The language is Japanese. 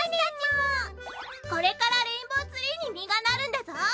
これからレインボーツリーに実がなるんだぞ！